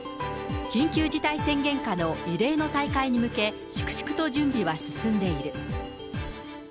緊急事態宣言下の異例の大会に向け、粛々と準備は進んでいる。